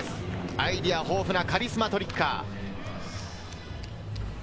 アイデア豊富なカリスマトリッカー。